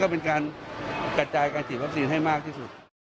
เป็นการกระจายการฉีดวัคซีนให้มากที่สุด